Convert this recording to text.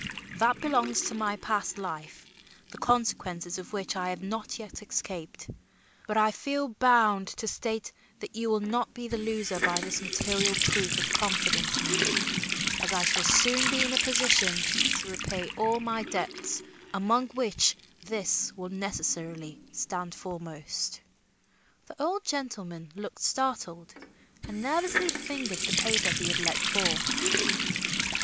That belongs to my past life, the consequences of which I have not yet escaped, but I feel bound to state that you will not be the loser by this material proof of confidence in me, as I shall soon be in a position to repay all my debts, among which this will necessarily stand foremost." The old gentleman looked startled and nervously fingered the paper he had let fall.